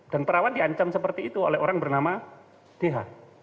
dan perawan diancam seperti itu oleh orang bernama dh